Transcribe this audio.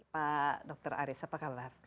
pak dr aris apa kabar